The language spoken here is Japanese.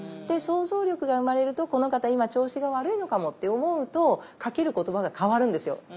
で想像力が生まれると「この方今調子が悪いのかも」って思うとかける言葉が変わるんですよ。